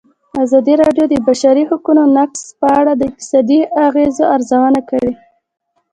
ازادي راډیو د د بشري حقونو نقض په اړه د اقتصادي اغېزو ارزونه کړې.